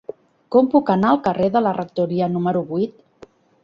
Com puc anar al carrer de la Rectoria número vuit?